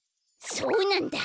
そうなんだ！